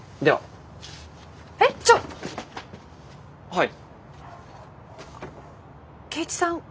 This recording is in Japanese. はい。